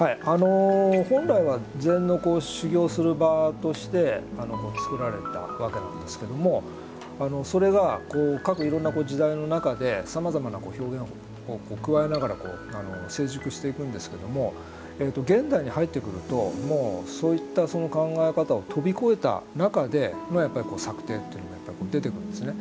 本来は禅の修行する場としてつくられたわけなんですけどもそれが各いろんな時代の中でさまざまな表現をくわえながら成熟していくんですけども現代に入ってくるともうそういったその考え方を飛び越えた中でのやっぱり作庭っていうのも出てくるんですね。